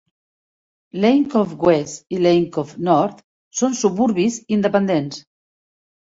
Lane Cove West i Lane Cove North són suburbis independents.